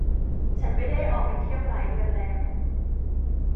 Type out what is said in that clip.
ฉันไม่ได้ออกไปเที่ยวหลายเดือนแล้ว